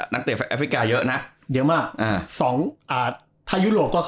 นักเตรียมแอฟริกาเยอะน่ะเยอะมากอ่าสองอ่าไทยยุโรปก็